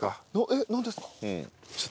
えっなんですか？